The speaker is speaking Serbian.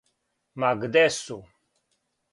Ма где су?